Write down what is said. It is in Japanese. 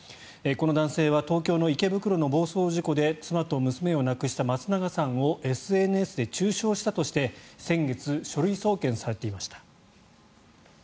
この男性は東京の池袋の暴走事故で妻と娘を亡くした松永さんをＳＮＳで中傷したとして先月、書類送検されていました。